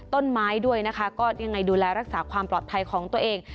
ต้นไม้ด้วยนะคะก็ยังไงดูแลรักษาความปลอดภัยของตัวเอง